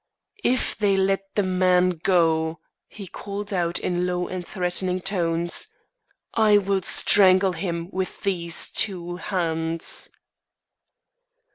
"If they let the man go," he called out in loud and threatening tones, "I will strangle him with these two hands."